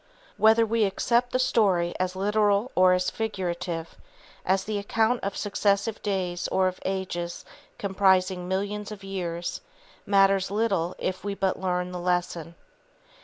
Whether we accept the story as literal or as figurative, as the account of successive days or of ages comprising millions of years, matters little if we but learn the lesson.